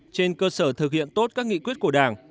trên cơ sở thực hiện tốt các nghị quyết của đảng